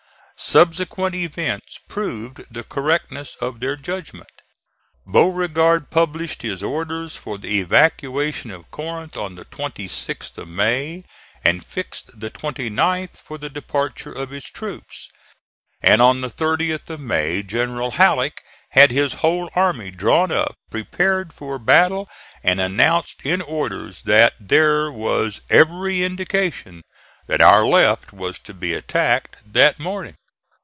Subsequent events proved the correctness of their judgment. Beauregard published his orders for the evacuation of Corinth on the 26th of May and fixed the 29th for the departure of his troops, and on the 30th of May General Halleck had his whole army drawn up prepared for battle and announced in orders that there was every indication that our left was to be attacked that morning.